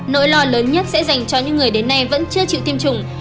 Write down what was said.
nỗi lo lớn nhất sẽ dành cho những người đến nay vẫn chưa chịu tiêm chủng